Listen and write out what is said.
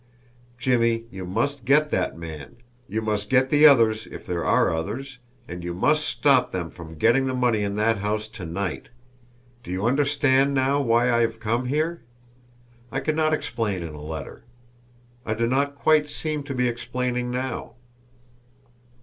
Jimmie, you must get that man, you must get the others if there are others, and you must stop them from getting the money in that house to night! Do you understand now why I have come here? I could not explain in a letter; I do not quite seem to be explaining now.